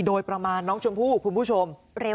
โดยประมาณน้องชมพู่คุณผู้ชม